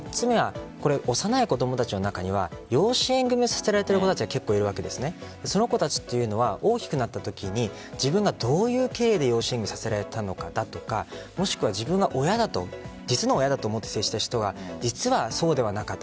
幼い子供たちの中には養子縁組をさせられている子がいるわけでその子たちというのは大きくなったときに自分がどういう経緯で養子縁組させられたとかもしくは、自分が親だと実の親だと思って接した人が実はそうではなかった。